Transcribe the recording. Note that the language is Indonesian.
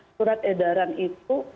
surat edaran itu